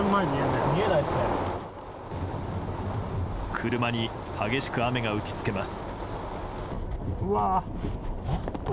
車に激しく雨が打ち付けます。